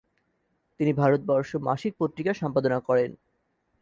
তিনি ভারতবর্ষ মাসিক পত্রিকা সম্পাদনা করেন।